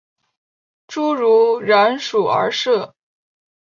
侏儒蚺属而设。